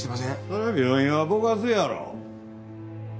そら病院はぼかすやろ。